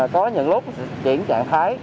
có những lúc chuyển trạng thái